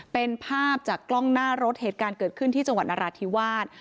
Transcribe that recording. เป็นภาพจากกล้องหน้ารถเหตุการณ์เกิดขึ้นที่จังหวัดนราธิวาส